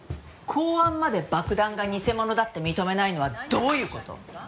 公安まで爆弾が偽物だって認めないのはどういう事？